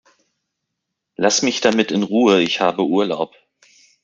Lass mich damit in Ruhe, ich habe Urlaub!